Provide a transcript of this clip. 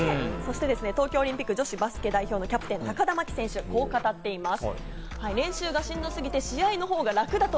東京オリンピック女子代表のキャプテン・高田真希選手はこう語っています。